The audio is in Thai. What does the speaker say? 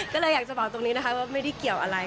ก็เลยอยากจะบอกตรงนี้นะคะว่าไม่ได้เกี่ยวอะไร